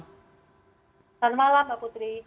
selamat malam mbak putri